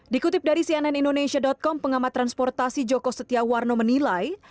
dikutip dari cnn indonesia com pengamat transportasi joko setiawarno menilai